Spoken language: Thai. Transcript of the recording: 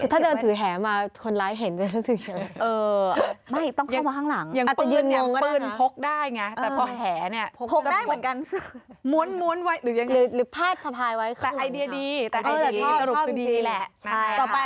ถ้าเดินถือแหมาคนร้ายเห็นจะรู้สึกยังไง